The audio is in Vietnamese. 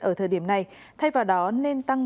ở thời điểm này thay vào đó nên tăng